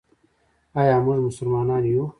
آیا موږ مسلمانان یو؟